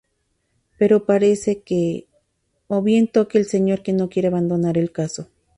Pero parece que, o bien Toque el señor que no quiere abandonar el caso.